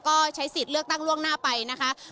ก็ใช้สิทธิ์เลือกตั้งล่วงหน้าไปนะคะ